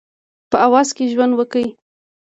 په اوس کې ژوند وکړئ